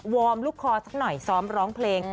วอร์มลูกคอสักหน่อยซ้อมร้องเพลง